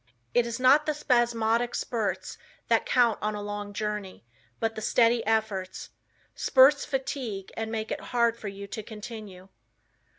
It is not the spasmodic spurts that count on a long journey, but the steady efforts. Spurts fatigue and make it hard for you to continue.